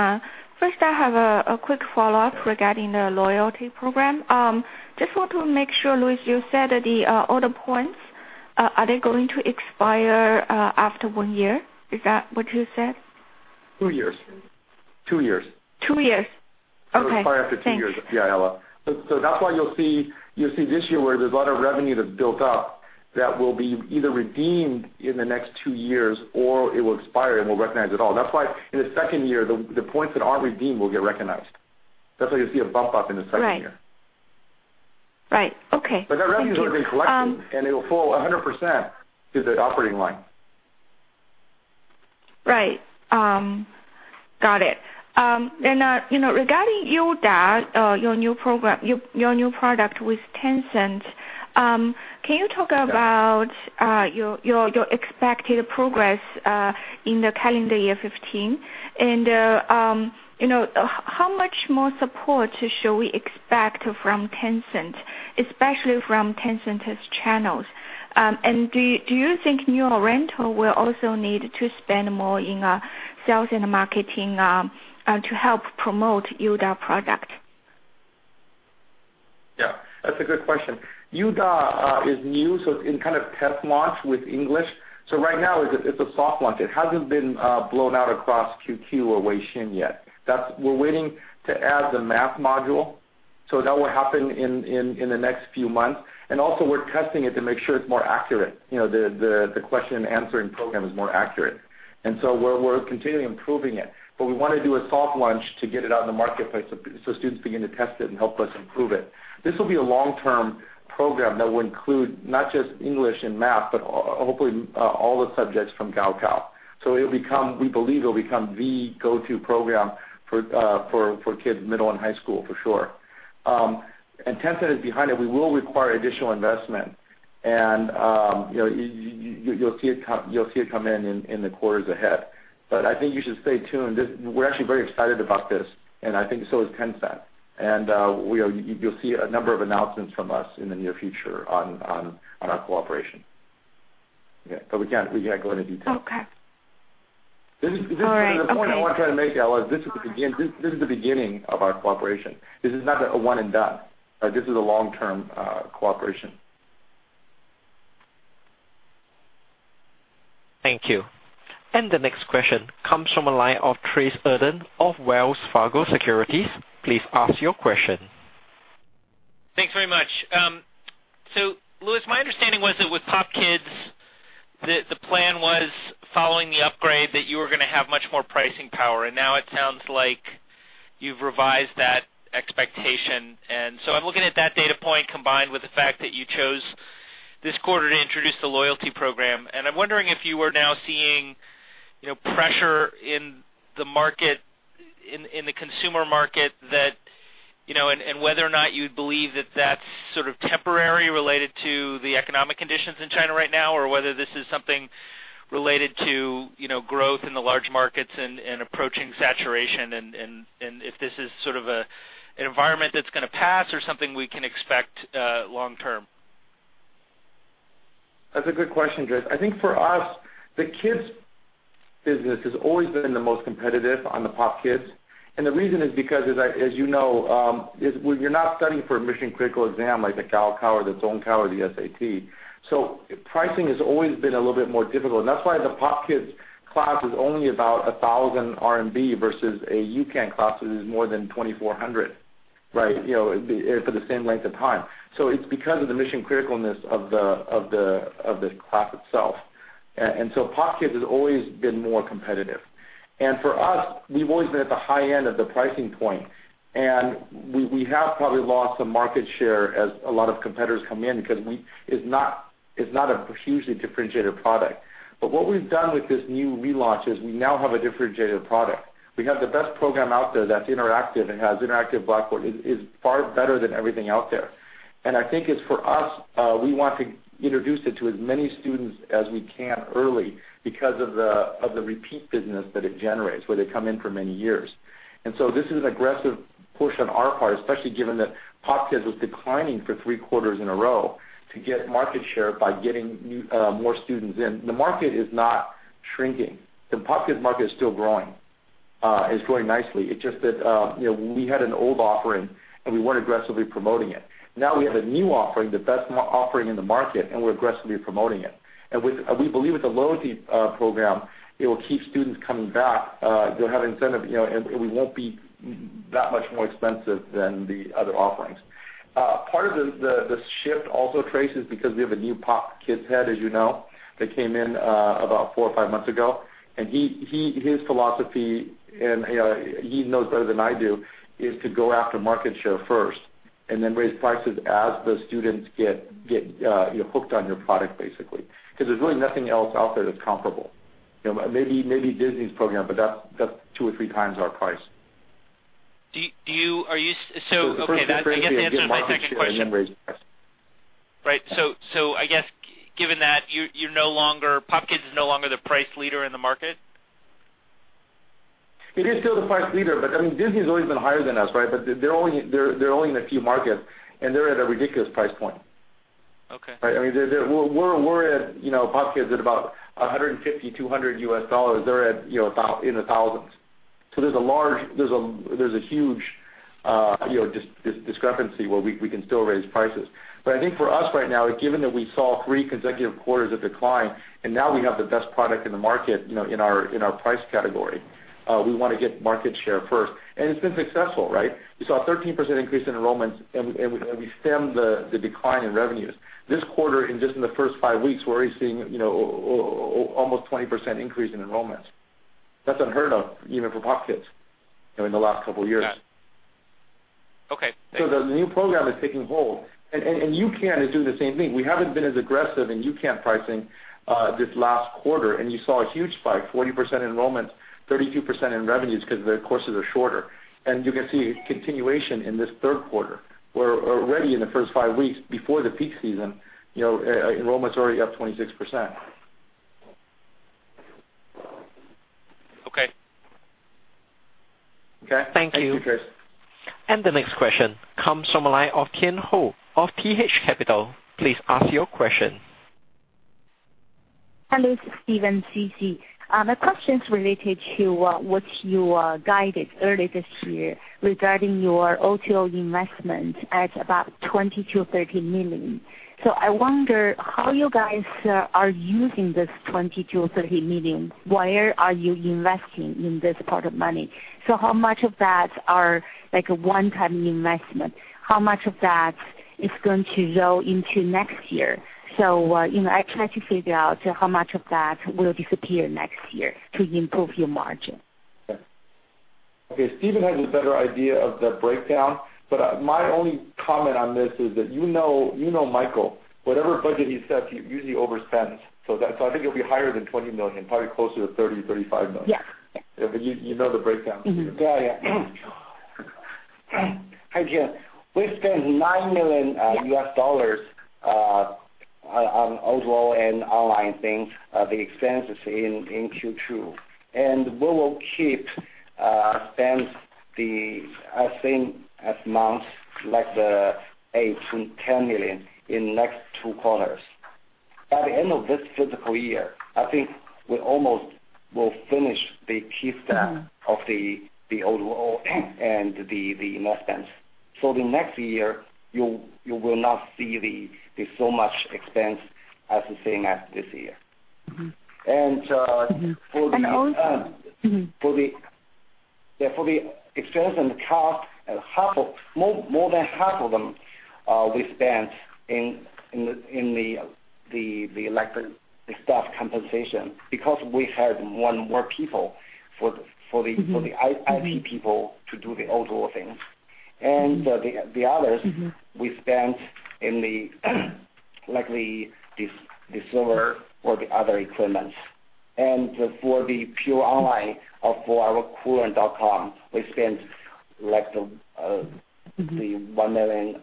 First, I have a quick follow-up regarding the loyalty program. Just want to make sure, Louis, you said that all the points, are they going to expire after one year? Is that what you said?
Two years.
Two years? Okay.
It will expire after two years.
Thanks.
Yeah, Ella. That's why you'll see this year where there's a lot of revenue that's built up that will be either redeemed in the next two years or it will expire and we'll recognize it all. That's why in the second year, the points that aren't redeemed will get recognized. That's why you'll see a bump up in the second year.
Right. Okay. Thank you.
That revenue has been collected, and it'll fall 100% to the operating line.
Right. Regarding YuDa, your new product with Tencent, can you talk about your expected progress in the calendar year 2015? How much more support should we expect from Tencent, especially from Tencent's channels? Do you think New Oriental will also need to spend more in sales and marketing to help promote YuDa product?
Yeah, that's a good question. YuDa is new, so it's in kind of test launch with English. Right now it's a soft launch. It hasn't been blown out across QQ or WeiXin yet. We're waiting to add the Math module. That will happen in the next few months. Also we're testing it to make sure it's more accurate, the question and answering program is more accurate. We're continually improving it. We want to do a soft launch to get it out in the marketplace so students begin to test it and help us improve it. This will be a long-term program that will include not just English and Math, but hopefully all the subjects from Gaokao. We believe it will become the go-to program for kids middle and high school for sure. Tencent is behind it. We will require additional investment. You'll see it come in the quarters ahead. I think you should stay tuned. We're actually very excited about this, and I think so is Tencent. You'll see a number of announcements from us in the near future on our cooperation. Okay. We can't go into detail.
Okay. All right. Okay.
The point I want to try to make, Ella, is this is the beginning of our cooperation. This is not a one and done. This is a long-term cooperation.
Thank you. The next question comes from the line of Tracey Ordan of Wells Fargo Securities. Please ask your question.
Thanks very much. Louis, my understanding was that with POP Kids, the plan was following the upgrade, that you were going to have much more pricing power, now it sounds like you've revised that expectation. I'm looking at that data point combined with the fact that you chose this quarter to introduce the loyalty program. I'm wondering if you are now seeing pressure in the consumer market and whether or not you believe that that's sort of temporary related to the economic conditions in China right now, or whether this is something related to growth in the large markets and approaching saturation, and if this is sort of an environment that's going to pass or something we can expect long term.
That's a good question, Tracey. I think for us, the Kids business has always been the most competitive on the POP Kids. The reason is because, as you know, you're not studying for a mission-critical exam like the Gaokao or the Zhongkao or the SAT. Pricing has always been a little bit more difficult, and that's why the POP Kids class is only about 1,000 RMB versus a U-Can class, which is more than 2,400.
Right.
For the same length of time. It's because of the mission criticalness of the class itself. POP Kids has always been more competitive. For us, we've always been at the high end of the pricing point, and we have probably lost some market share as a lot of competitors come in because it's not a hugely differentiated product. What we've done with this new relaunch is we now have a differentiated product. We have the best program out there that's interactive and has interactive blackboard, is far better than everything out there. I think it's for us, we want to introduce it to as many students as we can early because of the repeat business that it generates, where they come in for many years. This is an aggressive push on our part, especially given that POP Kids was declining for three quarters in a row to get market share by getting more students in. The market is not shrinking. The POP Kids market is still growing. It's growing nicely. It's just that we had an old offering and we weren't aggressively promoting it. Now we have a new offering, the best offering in the market, and we're aggressively promoting it. We believe with the loyalty program, it will keep students coming back. They'll have incentive, and we won't be that much more expensive than the other offerings. Part of the shift also, Trace, is because we have a new POP Kids head, as you know, that came in about four or five months ago. His philosophy, and he knows better than I do, is to go after market share first. Raise prices as the students get hooked on your product, basically. Because there's really nothing else out there that's comparable. Maybe Disney's program, but that's two or three times our price.
Okay. I guess that answers my second question.
First get market share, then raise prices.
Right. I guess given that, PopKids is no longer the price leader in the market?
It is still the price leader, Disney's always been higher than us, right? They're only in a few markets, they're at a ridiculous price point.
Okay.
PopKids is at about $150, $200. They're in the thousands. There's a huge discrepancy where we can still raise prices. I think for us right now, given that we saw three consecutive quarters of decline, now we have the best product in the market, in our price category, we want to get market share first. It's been successful, right? We saw a 13% increase in enrollments, we stemmed the decline in revenues. This quarter, just in the first five weeks, we're already seeing almost a 20% increase in enrollments. That's unheard of, even for PopKids, in the last couple of years.
Got it. Okay, thanks.
The new program is taking hold, U-Can is doing the same thing. We haven't been as aggressive in U-Can pricing this last quarter, and you saw a huge spike, 40% enrollments, 32% in revenues because the courses are shorter. You can see a continuation in this third quarter, where already in the first five weeks before the peak season, enrollments are already up 26%.
Okay.
Okay? Thank you, Trace.
Thank you. The next question comes from the line of Tian Hou of TH Capital. Please ask your question.
Hello, Stephen and Sisi. My question's related to what you guided earlier this year regarding your O2O investment at about 20 million-30 million. I wonder how you guys are using this 20 million-30 million. Where are you investing this pot of money? How much of that is a one-time investment? How much of that is going to roll into next year? I try to figure out how much of that will disappear next year to improve your margin.
Okay. Steven has a better idea of the breakdown, my only comment on this is that you know Michael. Whatever budget he sets, he usually overspends. I think it'll be higher than 20 million, probably closer to 30 million, 35 million.
Yeah.
You know the breakdown.
Yeah. Hi, Tian. We spent RMB 9 million.
Yeah
on O2O and online things, the expenses in Q2. We will keep spending the same amount, like 8 million to 10 million in the next two quarters. By the end of this fiscal year, I think we almost will finish the key step- of the O2O and the investments. The next year, you will not see so much expense as the same as this year. for the-
also--
for the expense and cost, more than half of them, we spent in the staff compensation because we hired more people. IT people to do the O2O things. The others. we spent in the server or the other equipments. For the pure online, for our koolearn.com, we spent. the $1 million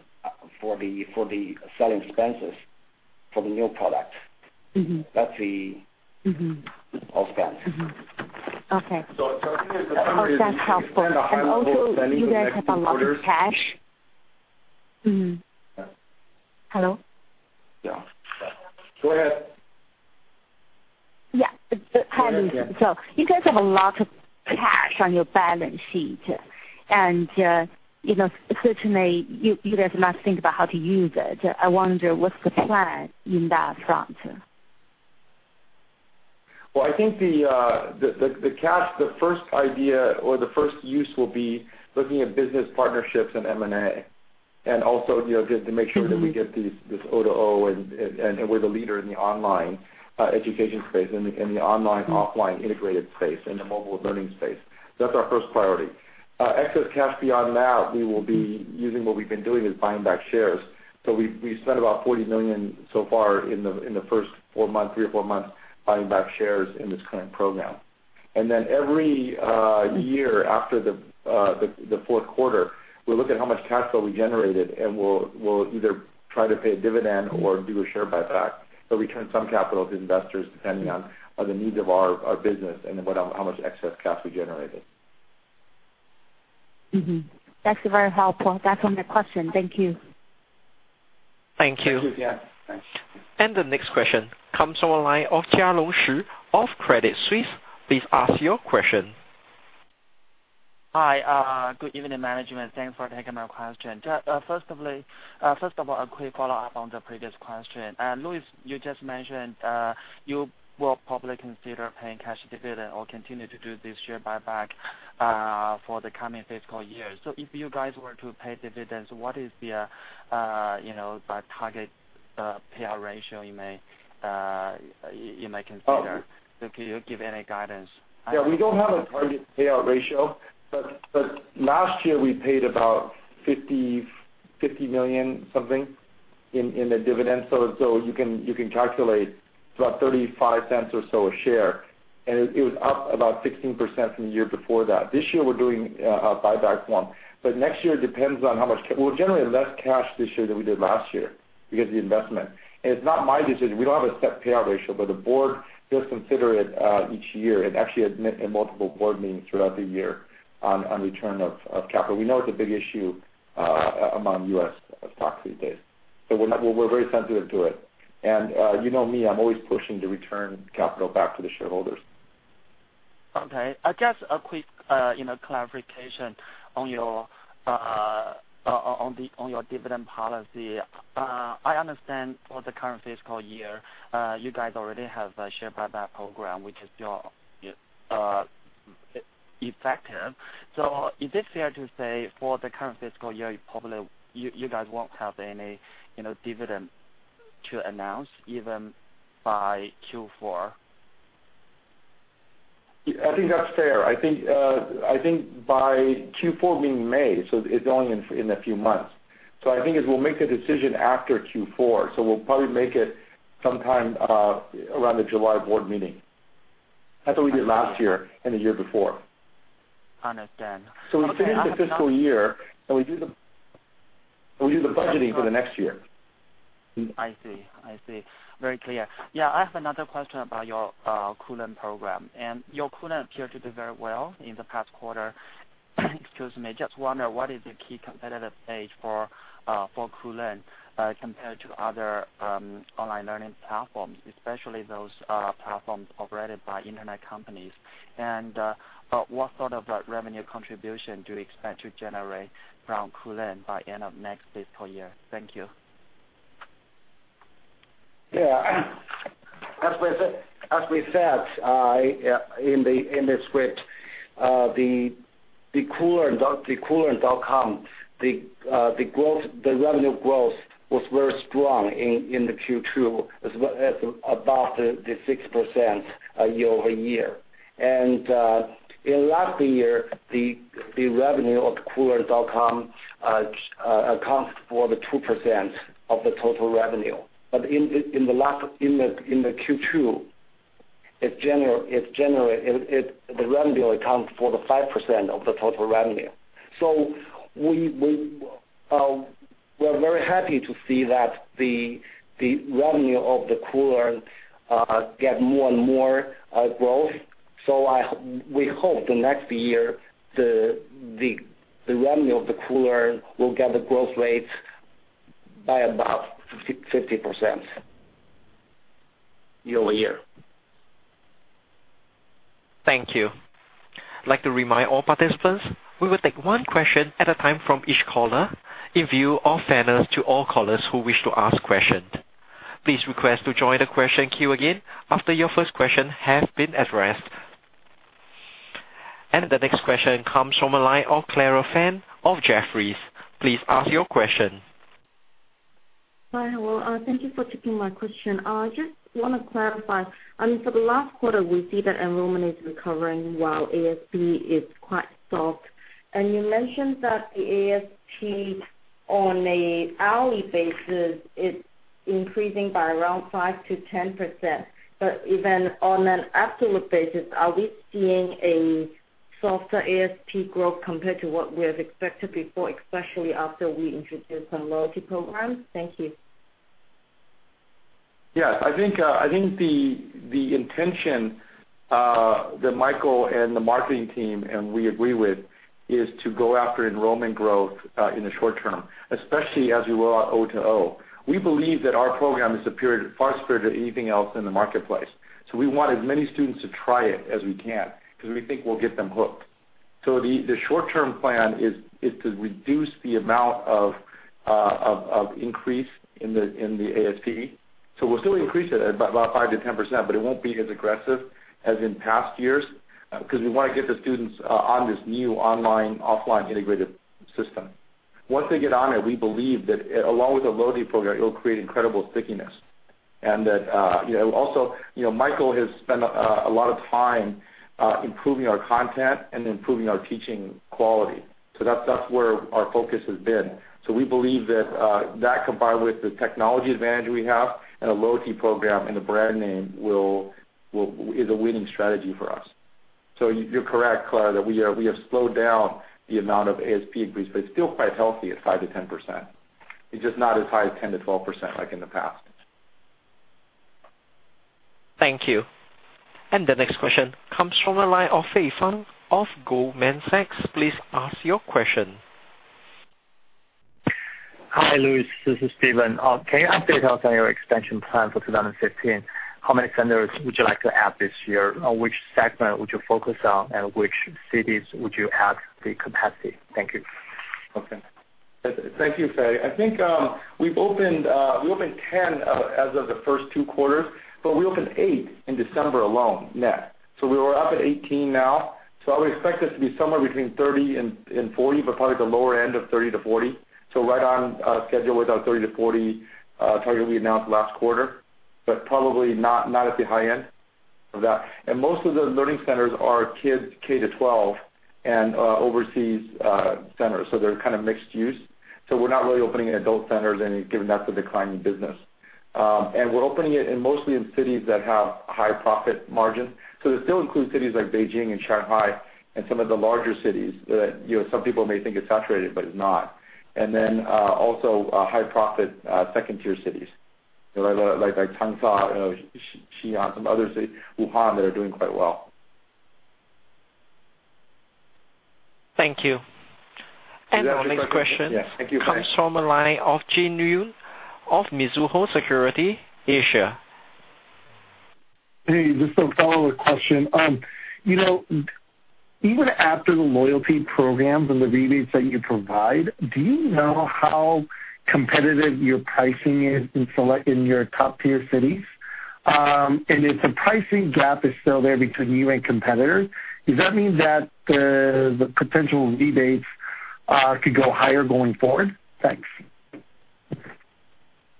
for the selling expenses for the new product. That's. all spends.
Mm-hmm. Okay.
I think in the coming years.
That's helpful. Also.
We plan on high growth spending in the next few quarters.
You guys have a lot of cash. Hello?
Yeah. Go ahead.
Yeah.
Go ahead again.
You guys have a lot of cash on your balance sheet, certainly, you guys must think about how to use it. I wonder what's the plan in that front?
Well, I think the cash, the first idea or the first use will be looking at business partnerships and M&A, and also just to make sure that we get this O2O, and we're the leader in the online education space, in the online/offline integrated space, in the mobile learning space. That's our first priority. Excess cash beyond that, we will be using what we've been doing, is buying back shares. We spent about 40 million so far in the first three or four months buying back shares in this current program. Every year after the fourth quarter, we'll look at how much cash flow we generated, and we'll either try to pay a dividend or do a share buyback. We turn some capital to investors depending on the needs of our business and how much excess cash we generated.
Mm-hmm. That's very helpful. That's all my question. Thank you.
Thank you.
Thank you. Yeah. Thanks.
The next question comes from the line of Jialong Xu of Credit Suisse. Please ask your question.
Hi. Good evening, management. Thanks for taking my question. First of all, a quick follow-up on the previous question. Louis, you just mentioned, you will probably consider paying cash dividend or continue to do this share buyback for the coming fiscal year. If you guys were to pay dividends, what is the target payout ratio you may consider.
Oh.
Can you give any guidance?
Yeah, we don't have a target payout ratio, last year we paid about 50 million something in the dividends. You can calculate, it's about 0.35 or so a share, and it was up about 16% from the year before that. This year we're doing a buyback one, next year depends on how much we'll generate less cash this year than we did last year because of the investment. It's not my decision. We don't have a set payout ratio, the board does consider it each year and actually in multiple board meetings throughout the year on return of capital. We know it's a big issue among U.S. stocks these days, we're very sensitive to it. You know me, I'm always pushing to return capital back to the shareholders.
Okay. A quick clarification on your dividend policy. I understand for the current fiscal year, you guys already have a share buyback program, which is still effective. Is it fair to say for the current fiscal year, you guys won't have any dividend to announce even by Q4?
I think that's fair. I think by Q4 being May, it's only in a few months. I think is we'll make the decision after Q4, we'll probably make it sometime around the July board meeting. That's what we did last year and the year before.
Understand. Okay.
We finish the fiscal year, and we do the budgeting for the next year.
I see. Very clear. I have another question about your Koolearn program, and your Koolearn appeared to do very well in the past quarter. Excuse me. Just wonder, what is the key competitive edge for Koolearn, compared to other online learning platforms, especially those platforms operated by internet companies? What sort of revenue contribution do you expect to generate from Koolearn by end of next fiscal year? Thank you.
As we said in the script, Koolearn.com, the revenue growth was very strong in the Q2, about 6% year-over-year. In last year, the revenue of Koolearn.com accounts for 2% of the total revenue. In the Q2, the revenue account for 5% of the total revenue. We're very happy to see that the revenue of Koolearn get more and more growth. We hope the next year, the revenue of Koolearn will get the growth rates by about 50% year-over-year.
Thank you. I'd like to remind all participants, we will take one question at a time from each caller, in view of fairness to all callers who wish to ask questions. Please request to join the question queue again, after your first question has been addressed. The next question comes from the line of Clara Fan of Jefferies. Please ask your question.
Hi, hello. Thank you for taking my question. I just want to clarify. For the last quarter, we see that enrollment is recovering while ASP is quite soft. You mentioned that the ASP on a hourly basis is increasing by around 5%-10%, but even on an absolute basis, are we seeing a softer ASP growth compared to what we have expected before, especially after we introduced the loyalty programs? Thank you.
Yes, I think the intention that Michael and the marketing team and we agree with is to go after enrollment growth, in the short term, especially as we roll out O2O. We believe that our program is far superior to anything else in the marketplace. We want as many students to try it as we can because we think we'll get them hooked. The short-term plan is to reduce the amount of increase in the ASP. We'll still increase it at about 5%-10%, but it won't be as aggressive as in past years, because we want to get the students on this new online, offline integrated system. Once they get on it, we believe that along with the loyalty program, it will create incredible stickiness and that, also Michael has spent a lot of time improving our content and improving our teaching quality. That's where our focus has been. We believe that combined with the technology advantage we have and a loyalty program and the brand name is a winning strategy for us. You're correct, Clara, that we have slowed down the amount of ASP increase, but it's still quite healthy at 5%-10%. It's just not as high as 10%-12% like in the past.
Thank you. The next question comes from the line of Fei Fang of Goldman Sachs. Please ask your question.
Hi, Louis. This is Steven. Can you update us on your expansion plan for 2015? How many centers would you like to add this year? Which segment would you focus on, and which cities would you add the capacity? Thank you.
Okay. Thank you, Fei. I think, we opened 10 as of the first two quarters, but we opened eight in December alone net. We are up at 18 now. I would expect us to be somewhere between 30 and 40, but probably the lower end of 30 to 40. Right on schedule with our 30 to 40 target we announced last quarter. Probably not at the high end of that. Most of the learning centers are kids K-12 and overseas centers, so they're kind of mixed use. We're not really opening adult centers any, given that's a declining business. We're opening it in mostly in cities that have high profit margins. They still include cities like Beijing and Shanghai and some of the larger cities that some people may think is saturated, but it's not. Then, also high profit 2nd-tier cities. Like Changsha, Xi'an other city, Wuhan, that are doing quite well.
Thank you.
Do you have any questions?
Our next question.
Yes. Thank you, Fei.
Comes from the line of Jin Xin, of Mizuho Securities Asia.
Hey, just a follow-up question. Even after the loyalty programs and the rebates that you provide, do you know how competitive your pricing is in your top-tier cities? If the pricing gap is still there between you and competitors, does that mean that the potential rebates could go higher going forward?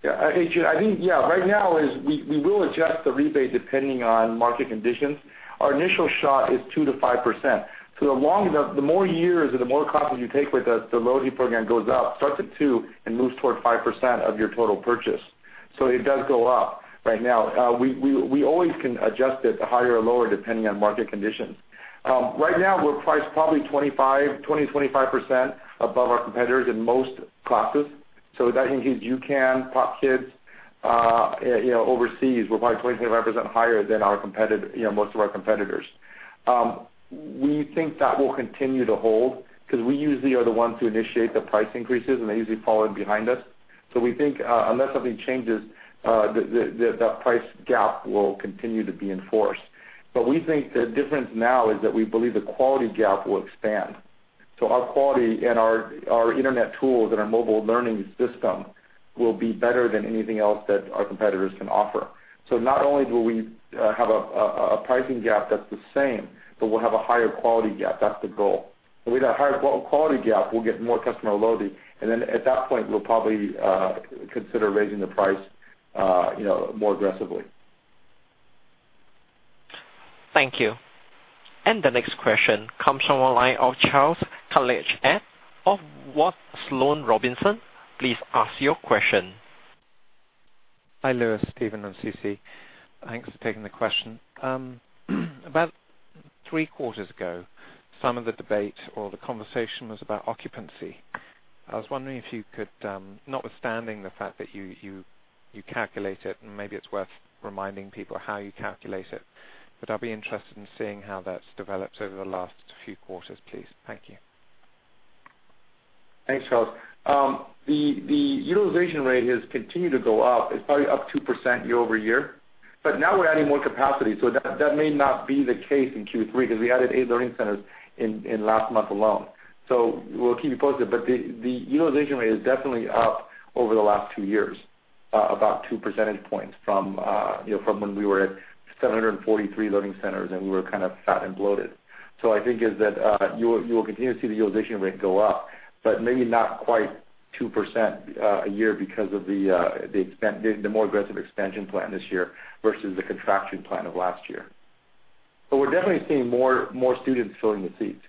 Thanks.
Yeah. I think, right now we will adjust the rebate depending on market conditions. Our initial shot is 2%-5%. The more years or the more classes you take with us, the loyalty program goes up, starts at 2% and moves toward 5% of your total purchase. It does go up. Right now, we always can adjust it to higher or lower depending on market conditions. Right now we're priced probably 20%-25% above our competitors in most classes. That includes U-Can, POP Kids. Overseas, we're probably 25% higher than most of our competitors. We think that will continue to hold because we usually are the ones who initiate the price increases, and they usually follow in behind us. We think, unless something changes, that price gap will continue to be in force. We think the difference now is that we believe the quality gap will expand. Our quality and our internet tools and our mobile learning system will be better than anything else that our competitors can offer. Not only do we have a pricing gap that's the same, but we'll have a higher quality gap. That's the goal. With that higher quality gap, we'll get more customer loyalty, and then at that point, we'll probably consider raising the price more aggressively.
Thank you. The next question comes from the line of Charles College of Watts Sloane Robinson. Please ask your question.
Hi, Louis, Stephen and Sisi. Thanks for taking the question. About three quarters ago, some of the debate or the conversation was about occupancy. I was wondering if you could, notwithstanding the fact that you calculate it, and maybe it's worth reminding people how you calculate it, but I'll be interested in seeing how that's developed over the last few quarters, please. Thank you.
Thanks, Charles. The utilization rate has continued to go up. It's probably up 2% year-over-year. Now we're adding more capacity, so that may not be the case in Q3 because we added eight learning centers in last month alone. We'll keep you posted. The utilization rate is definitely up over the last two years, about two percentage points from when we were at 743 learning centers and we were kind of fat and bloated. I think is that, you will continue to see the utilization rate go up, but maybe not quite 2% a year because of the more aggressive expansion plan this year versus the contraction plan of last year. We're definitely seeing more students filling the seats.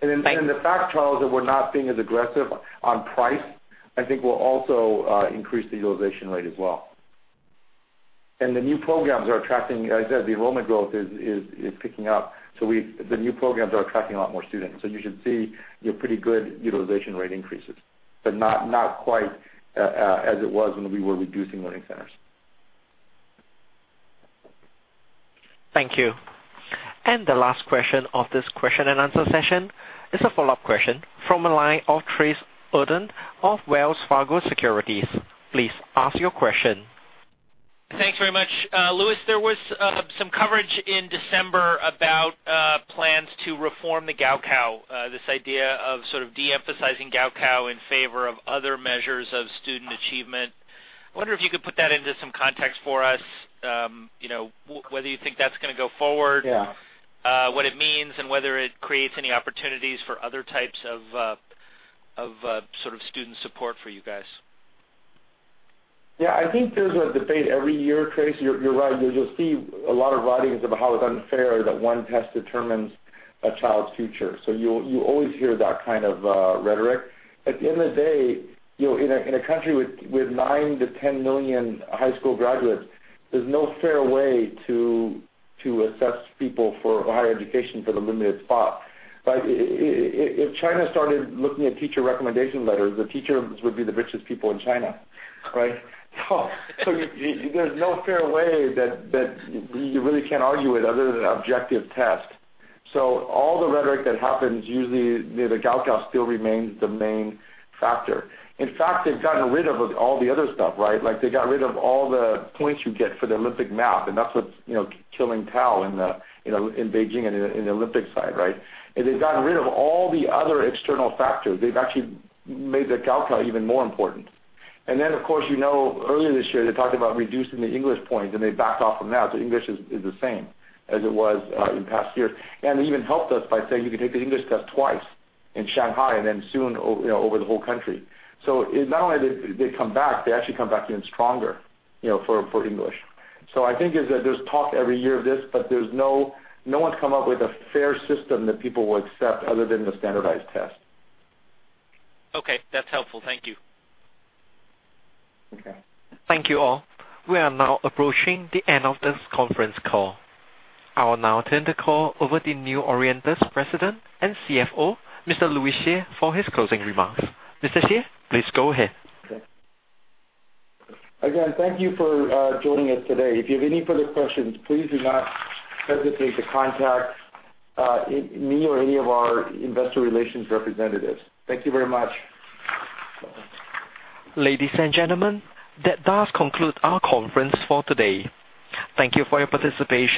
Thanks.
The fact, Charles, that we're not being as aggressive on price, I think will also increase the utilization rate as well. The new programs are attracting As I said, the enrollment growth is picking up. The new programs are attracting a lot more students. You should see pretty good utilization rate increases, but not quite as it was when we were reducing learning centers.
Thank you. The last question of this question and answer session is a follow-up question from the line of Trace Urdan of Wells Fargo Securities. Please ask your question.
Thanks very much. Louis, there was some coverage in December about plans to reform the Gaokao, this idea of sort of de-emphasizing Gaokao in favor of other measures of student achievement. I wonder if you could put that into some context for us, whether you think that's gonna go forward-
Yeah
what it means and whether it creates any opportunities for other types of student support for you guys.
I think there's a debate every year, Trace, you're right. You'll see a lot of writings about how it's unfair that one test determines a child's future. You always hear that kind of rhetoric. At the end of the day, in a country with 9 to 10 million high school graduates, there's no fair way to assess people for higher education for the limited spot, right? If China started looking at teacher recommendation letters, the teachers would be the richest people in China, right? There's no fair way that you really can argue it other than objective test. All the rhetoric that happens usually, the Gaokao still remains the main factor. In fact, they've gotten rid of all the other stuff, right? They got rid of all the points you get for the Olympic math, That's what's killing TAL in Beijing and in the Olympic side, right? They've gotten rid of all the other external factors. They've actually made the Gaokao even more important. Of course, you know earlier this year they talked about reducing the English points, They backed off from that. English is the same as it was in past years. They even helped us by saying you can take the English test twice in Shanghai and then soon over the whole country. It not only did they come back, they actually come back even stronger for English. I think is that there's talk every year of this, No one's come up with a fair system that people will accept other than the standardized test.
Okay. That's helpful. Thank you.
Okay.
Thank you all. We are now approaching the end of this conference call. I will now turn the call over to New Oriental's President and CFO, Mr. Louis Hsieh, for his closing remarks. Mr. Hsieh, please go ahead.
Okay. Again, thank you for joining us today. If you have any further questions, please do not hesitate to contact me or any of our investor relations representatives. Thank you very much.
Ladies and gentlemen, that does conclude our conference for today. Thank you for your participation.